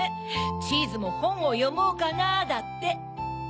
チーズも「ほんをよもうかな」だって。